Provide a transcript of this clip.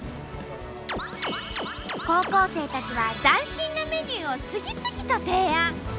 高校生たちは斬新なメニューを次々と提案。